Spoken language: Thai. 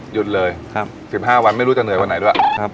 หยุดเลยครับสิบห้าวันไม่รู้จะเหนื่อยวันไหนด้วยครับ